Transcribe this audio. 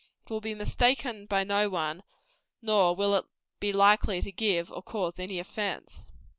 It will be mistaken by no one, nor will it be likely to give or cause any offence.